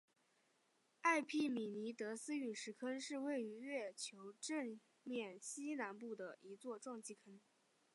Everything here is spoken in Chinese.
埃庇米尼得斯陨石坑是位于月球正面西南部的一座撞击坑。